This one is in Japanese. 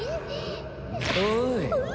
おい。